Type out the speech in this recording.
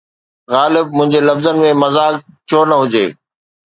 غالب! منهنجي لفظن ۾ مذاق ڇو نه هجي؟